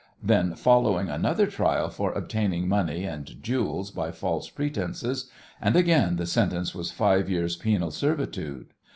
Then followed another trial for obtaining money and jewels by false pretences, and again the sentence was five years' penal servitude.